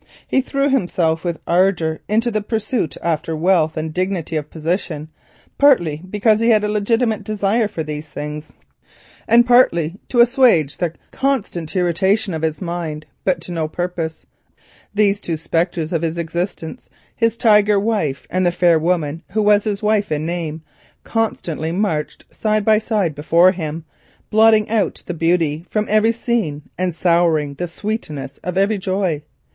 He threw himself with ardour into the pursuit after wealth and dignity of position, partly because he had a legitimate desire for these things, and partly to assuage the constant irritation of his mind, but to no purpose. These two spectres of his existence, his tiger wife and the fair woman who was his wife in name, constantly marched side by side before him, blotting out the beauty from every scene and souring the sweetness of every joy.